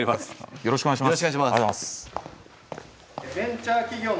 よろしくお願いします。